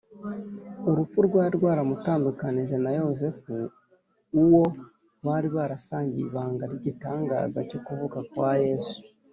. Urupfu rwari rwaramutandukanije na Yosefu, uwo bari basangiye ibanga ry’igitangaza cyo kuvuka kwa Yesu